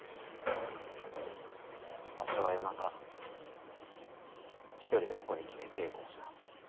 わしは夜中１人でここに来て稽古をした。